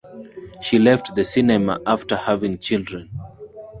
She left the cinema after having children.